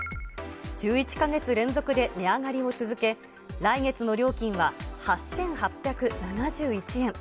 １１か月連続で値上がりを続け、来月の料金は８８７１円。